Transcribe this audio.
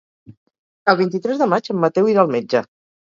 El vint-i-tres de maig en Mateu irà al metge.